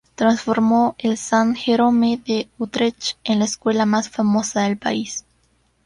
Transformó el San Jerome de Utrecht en la escuela más famosa del país.